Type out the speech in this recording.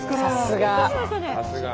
さすが。